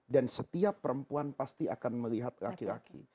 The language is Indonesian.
dan setiap perempuan pasti akan melihat laki laki